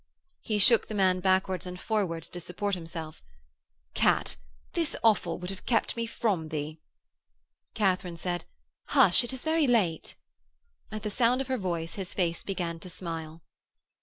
He shook the man backwards and forwards to support himself. 'Kat, this offal would have kept me from thee.' Katharine said, 'Hush! it is very late.' At the sound of her voice his face began to smile.